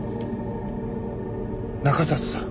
中郷さん。